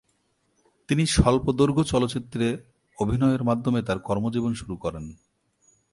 তিনি স্বল্পদৈর্ঘ্য চলচ্চিত্রে অভিনয়ের মাধ্যমে তার কর্মজীবন শুরু করেন।